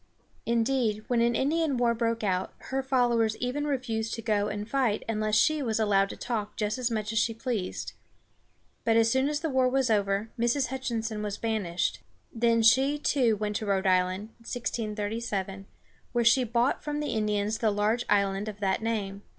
Indeed, when an Indian war broke out, her followers even refused to go and fight unless she was allowed to talk just as much as she pleased. But as soon as the war was over, Mrs. Hutchinson was banished. Then she, too, went to Rhode Island (1637), where she bought from the Indians the large island of that name.